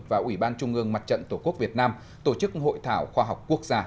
và ủy ban trung ương mặt trận tổ quốc việt nam tổ chức hội thảo khoa học quốc gia